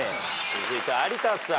続いて有田さん。